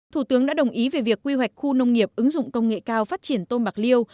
thủ tướng đã đồng ý về việc quy hoạch khu nông nghiệp ứng dụng công nghệ cao phát triển tôm bạc liêu